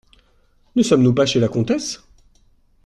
Ne sommes-nous pas chez la comtesse ?